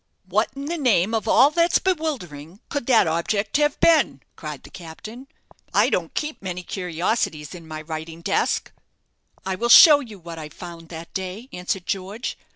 "What in the name of all that's bewildering could that object have been?" cried the captain. "I don't keep many curiosities in my writing desk!" "I will show you what I found that day," answered George.